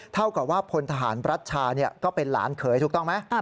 เท่ากับว่าพลทหารรัชชาก็เป็นหลานเขยถูกต้องไหม